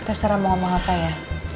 terserah mau sama apa ya